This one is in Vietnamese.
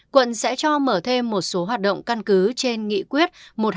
quận sẽ cho mở thêm một số hoạt động căn cứ trên nghị quyết một trăm hai mươi